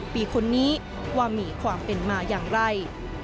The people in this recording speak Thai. ปีคนนี้ว่ามีความเป็นมาอย่างไร